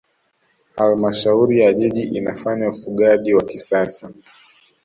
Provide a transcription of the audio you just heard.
halmashauri ya jiji inafanya ufugaji wa kisasa